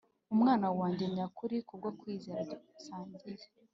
umwana wanjye nyakuri ku bwo kwizera dusangiye